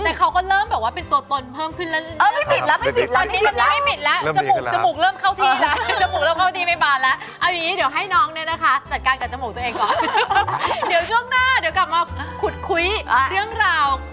แต่เขาก็เริ่มแบบว่าเป็นตัวตนเพิ่มขึ้นแล้ว